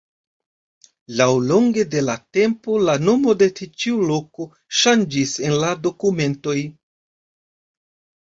Laŭlonge de la tempo, la nomo de ĉi tiu loko ŝanĝis en la dokumentoj.